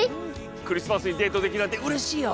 クリスマスにデートできるなんてうれしいよ。